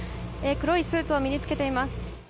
黒いスーツを身に着けています。